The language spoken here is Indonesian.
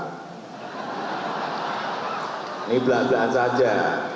ini belak belak saja